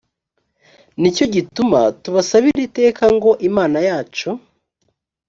ni cyo gituma tubasabira iteka ngo imana yacu